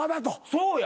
そうや。